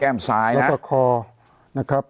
แก้มซ้ายนะแล้วก็คอนะครับ